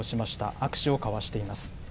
握手を交わしています。